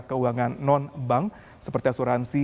keuangan non bank seperti asuransi